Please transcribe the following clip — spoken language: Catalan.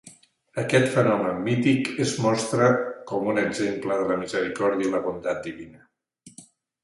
Aquest fenomen mític es mostra com un exemple de la misericòrdia i la bondat divina.